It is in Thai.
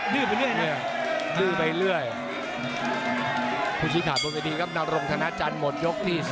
ดื้อไปเรื่อย